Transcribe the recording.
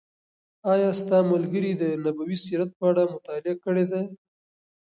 آیا ستا ملګري د نبوي سیرت په اړه مطالعه کړې ده؟